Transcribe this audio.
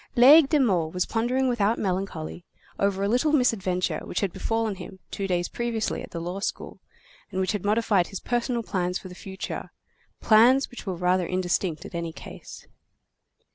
Laigle de Meaux was pondering without melancholy, over a little misadventure which had befallen him two days previously at the law school, and which had modified his personal plans for the future, plans which were rather indistinct in any case.